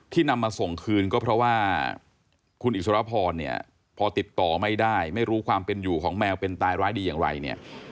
นำมาส่งคืนก็เพราะว่าคุณอิสรพรเนี่ยพอติดต่อไม่ได้ไม่รู้ความเป็นอยู่ของแมวเป็นตายร้ายดีอย่างไรเนี่ย